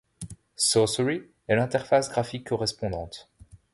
Sourcery est l'interface graphique correspondante.